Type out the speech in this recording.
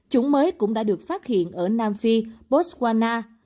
chủng mới cũng đã được phát hiện ở nam phi botswana